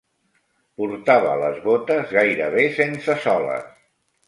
Portava les botes gairebé sense soles